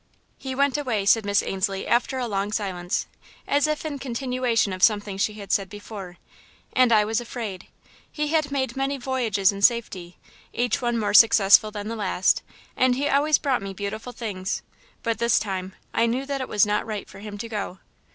"He went away," said Miss Ainslie, after a long silence, as if in continuation of something she had said before, "and I was afraid. He had made many voyages in safety, each one more successful than the last, and he always brought me beautiful things, but, this time, I knew that it was not right for him to go."